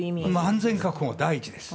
安全確保が第一です。